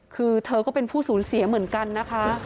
คือเธอก็เป็นผู้สูญเสียเหมือนกันนะคะ